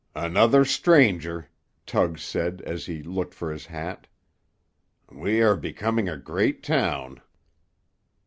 "Another stranger," Tug said, as he looked for his hat. "We are becoming a great town."